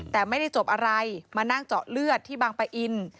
แต่ไม่ได้จบอะไรมานั่งเจาะเลือดที่บางปะอิน